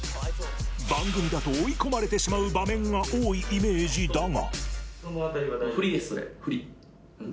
番組だと追い込まれてしまう場面が多いイメージだが。